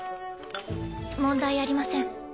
問題ありません。